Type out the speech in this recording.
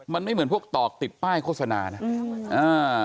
มันไม่เหมือนพวกตอกติดป้ายโฆษณานะอืมอ่า